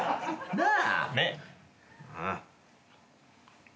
なあ。